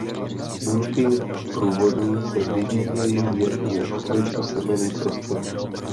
Buňky průvodní se vyvíjejí jen u krytosemenných rostlin.